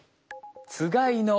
つがいの。